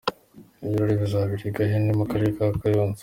Ibirori bizabera i Gahini mu Karere ka Kayonza.